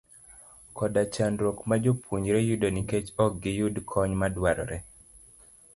koda chandruok ma jopuonjre yudo nikech ok giyud kony madwarore.